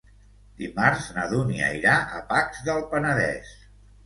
Dimarts na Dúnia irà a Pacs del Penedès.